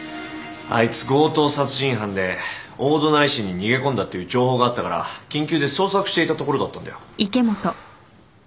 あいつ強盗殺人犯で大隣市に逃げ込んだっていう情報があったから緊急で捜索していたところだったんだよ。